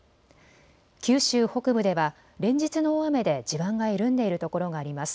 九州北部では連日の大雨で地盤が緩んでいる所があります。